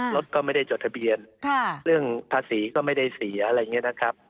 รถก็ไม่ได้จดทะเบียนเรื่องภาษีก็ไม่ได้เสียอะไรอย่างนี้นะครับ